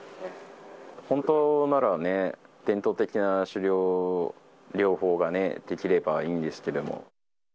本当ならね、伝統的な狩猟法がね、できればいいんですけども。